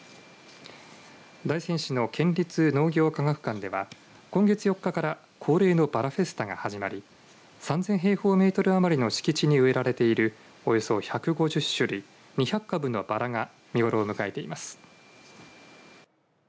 大仙市の県立農業科学館では今月４日から恒例のバラフェスタが始まり３０００平方メートル余りの敷地に植えられているおよそ１５０種類２００株のバラが見頃を迎えています。